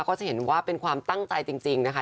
ก็จะเห็นว่าเป็นความตั้งใจจริงนะคะ